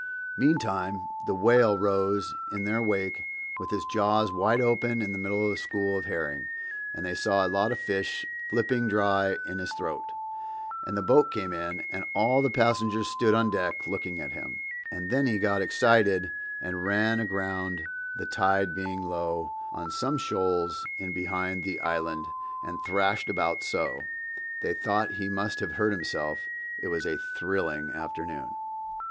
Meantime the whale rose in their wake with his jaws wide open in the middle of a school of herring, and they saw a lot of the fish flipping dry in his throat; and the boat came in and all the passengers stood on deck looking at him, and then he got excited and ran aground, the tide being low, on some shoals in behind the Island, and thrashed about so, they thought he must have hurt himself. It was a thrilling afternoon.